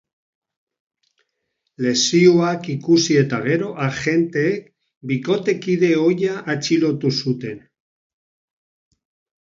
Lesioak ikusi eta gero, agenteek bikotekide ohia atxilotu zuten.